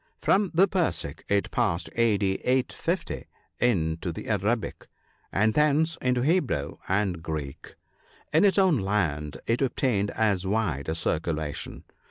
From the Persic it passed, a.d. 850, into the Arabic, and thence into Hebrew and Greek. In its own land it obtained as wide a circulation.